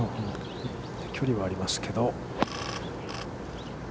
距離はありますけど。